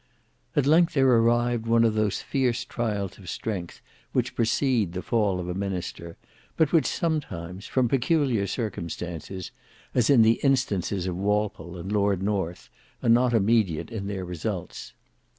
At length there arrived one of those fierce trials of strength, which precede the fall of a minister, but which sometimes from peculiar circumstances, as in the instances of Walpole and Lord North, are not immediate in their results.